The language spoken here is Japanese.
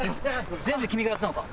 全部君がやったのか？